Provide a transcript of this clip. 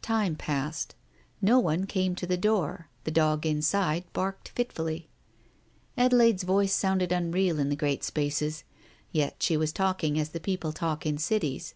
Time passed. No one came to the door, the dog inside barked fitfully. Adelaide's voice sounded unreal in the great spaces. ... Yet she was talking as people talk in cities.